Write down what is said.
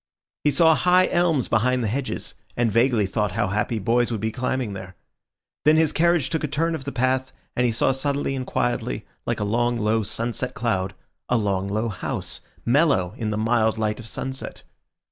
He saw high elms behind the hedges, and vaguely thought how happy boys would be climbing there. Then his carriage took a turn of the path, and he saw suddenly and quietly, like a long, low, sunset cloud, a long, low house, mellow in the mild light of sunset.